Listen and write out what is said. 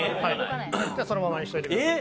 そのままにしておいてください。